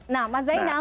nah mas zainal